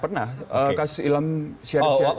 ya pernah kasus ilham syariah